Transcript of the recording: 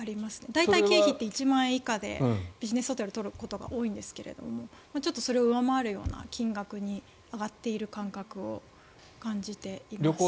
大体経費って１万円以下でビジネスホテルって取るケースが多いんですけどそれを上回る金額に上がっている感覚を感じています。